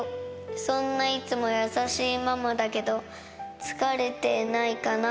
そんな、いつも優しいママだけど、疲れてないかな？